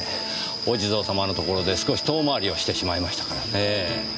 お地蔵様のところで少し遠回りをしてしまいましたからねぇ。